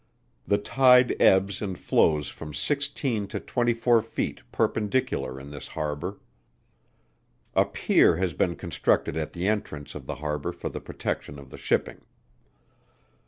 The tide ebbs and flows from sixteen to twenty four feet perpendicular in this harbour. A pier has been constructed at the entrance of the harbour for the protection of the shipping.